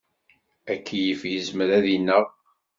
Akeyyef yezmer ad ineɣ.